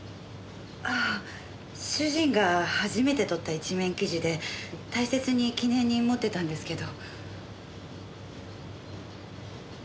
ああ主人が初めて取った一面記事で大切に記念に持ってたんですけど。